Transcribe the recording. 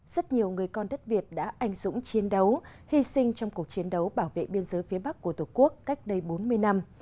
rất nhiều người con đất việt đã anh dũng chiến đấu hy sinh trong cuộc chiến đấu bảo vệ biên giới phía bắc của tổ quốc cách đây bốn mươi năm